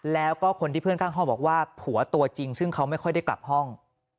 แล้วก็คนที่เพื่อนข้างห้องบอกว่าผัวตัวจริงซึ่งเขาไม่ค่อยได้กลับห้อง